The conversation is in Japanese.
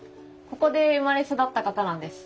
ここで生まれ育った方なんです。